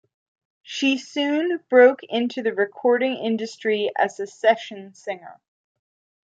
She soon broke into the recording industry as a session singer.